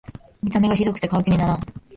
見た目がひどくて買う気にならん